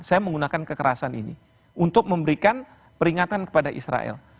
saya menggunakan kekerasan ini untuk memberikan peringatan kepada israel